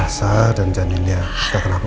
elsa dan janinnya gak kenapa kenapa